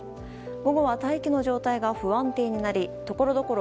午後は大気の状態が不安定になりところどころ